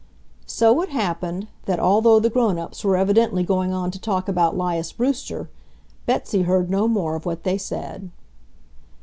So it happened that, although the grown ups were evidently going on to talk about 'Lias Brewster, Betsy heard no more of what they said.